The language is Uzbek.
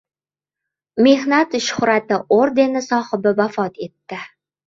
“Mehnat shuhrati” ordeni sohibi vafot etdi